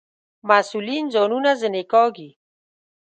مسئولین ځانونه ځنې کاږي.